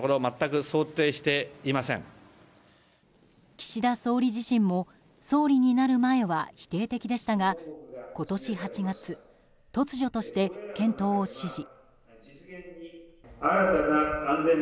岸田総理自身も総理になる前は否定的でしたが今年８月、突如として検討を指示。